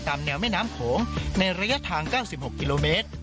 แนวแม่น้ำโขงในระยะทาง๙๖กิโลเมตร